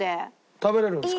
食べれるんですか？